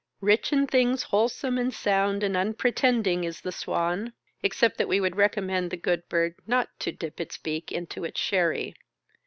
Rich in things wholesome and sound and unpretending is the Swan, except that we would recommend the good bird not to dip its beak into its sherry.